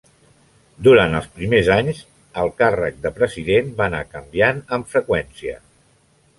Durant els primers anys, el càrrec de president va anar canviant amb freqüència.